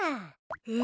え？